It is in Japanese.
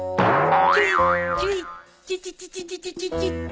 チュイチュイチチチチー。